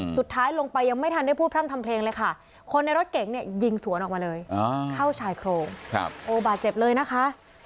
สุดท้ายลงไปยังไม่ทันได้พูดพร่ำทำเพลงเลยค่ะคนในรถเก๋งเนี่ยยิงสวนออกมาเลยเข้าชายโครงโอ้บาดเจ็บเลยนะคะ